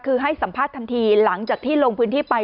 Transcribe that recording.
คือให้สัมภาษณ์ทันทีหลังจากที่ลงพื้นที่ไป